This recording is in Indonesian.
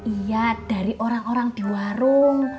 iya dari orang orang di warung